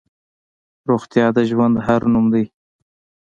روغتیا د ژوند هر نوم دی.